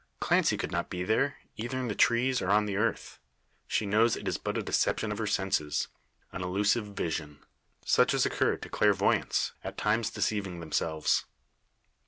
Clancy could not be there, either in the trees, or on the earth. She knows it is but a deception of her senses an illusive vision such as occur to clairvoyantes, at times deceiving themselves.